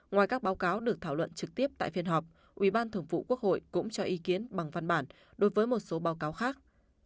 ngoài các báo cáo được thảo luận trực tiếp tại phiên họp ubthqh cũng cho ý kiến bằng văn bản đối với một số báo cáo khác